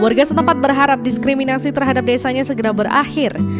warga setempat berharap diskriminasi terhadap desanya segera berakhir